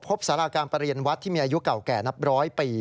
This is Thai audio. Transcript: สาราการประเรียนวัดที่มีอายุเก่าแก่นับร้อยปี